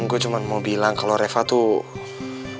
gue cuma mau bilang kalau reva tuh